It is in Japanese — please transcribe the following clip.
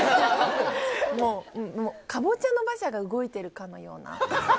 もう、カボチャの馬車が動いてるかのような。